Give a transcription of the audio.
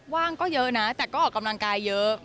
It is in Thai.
ว่างก็เยอะนะแต่ก็ออกกำลังกายเยอะ